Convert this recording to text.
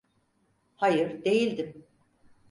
Hayır, değildim.